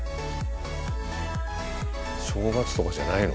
正月とかじゃないの？